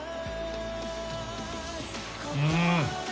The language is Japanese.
うん！